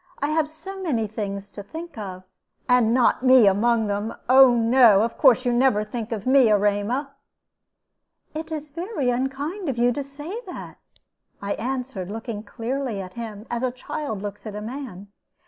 I have so many things to think of." "And not me among them. Oh no, of course you never think of me, Erema." "It is very unkind of you to say that," I answered, looking clearly at him, as a child looks at a man.